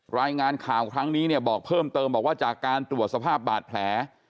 รายงานข่าวครั้งนี้เนี่ยบอกเพิ่มเติมบอกว่าจากการตรวจสภาพบาดแผล